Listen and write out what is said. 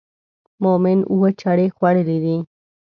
مومن اووه چړې خوړلې دي.